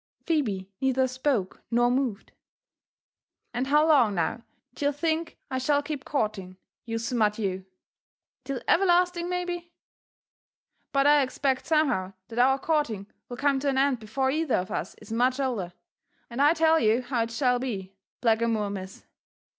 '* Phebe neither spoke nor moved. *' And how long, now, d'ye think I shall keep courting, you smut you? 'Till everliasling, maybe!'— but I expect somehow that our courting will come to an end before either of us is much older ^and I'll tell you how it dhall be, blackamoor miss.